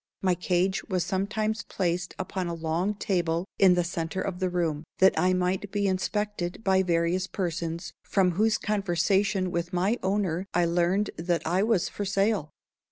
My cage was sometimes placed upon a long table in the centre of the room, that I might be inspected by various persons, from whose conversation with my owner I learned that I was for sale.